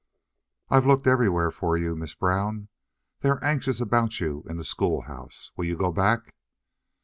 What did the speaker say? "I've looked everywhere for you. Miss Brown, they are anxious about you in the schoolhouse. Will you go back?"